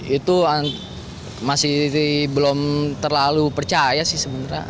itu masih belum terlalu percaya sih sebenarnya